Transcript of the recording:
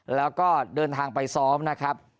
แล้วก็เดินทางไปซ้อมนะครับ